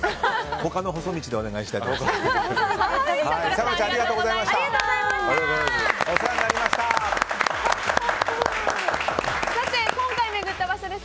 他の細道でお願いしたいと思います。